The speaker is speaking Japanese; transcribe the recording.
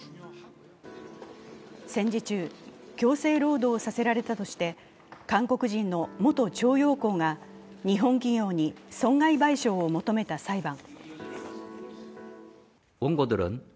戦時中、強制労働させられたとして韓国人の元徴用工が日本企業に損害賠償を求めた裁判。